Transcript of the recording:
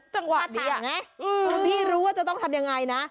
จังหวะนี้นะหลวงพี่รู้ว่าจะต้องทำยังไงนะ